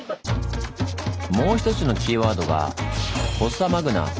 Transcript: もう一つのキーワードが「フォッサマグナ」。